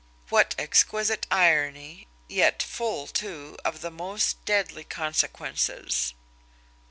What exquisite irony yet full, too, of the most deadly consequences!